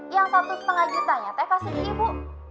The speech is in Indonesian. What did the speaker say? yang satu setengah jutanya teh kasih ibu